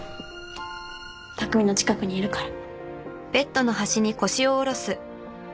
匠の近くにいるから。